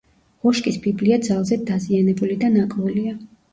ოშკის ბიბლია ძალზედ დაზიანებული და ნაკლულია.